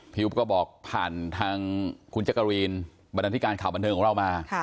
พี่อุ๊ปก็บอกผ่านทางคุณเจ้ากะวีนบันดาลที่การข่าวบันเทิงของเรามา